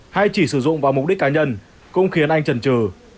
hay chỉ sử dụng vào mục đích cá nhân cũng khiến anh trần trừ